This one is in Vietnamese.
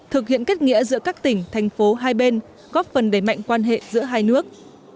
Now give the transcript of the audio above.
thực hiện kết nghĩa giữa các tỉnh thành phố hai bên góp phần đẩy mạnh quan hệ giữa hai nước